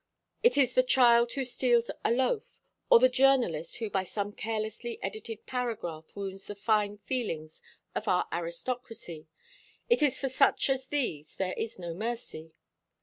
It is the child who steals a loaf, or the journalist who by some carelessly edited paragraph wounds the fine feelings of our aristocracy it is for such as these there is no mercy.